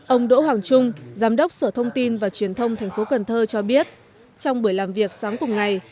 ông đỗ hoàng trung giám đốc sở thông tin và truyền thông tp cần thơ cho biết trong buổi làm việc sáng cùng ngày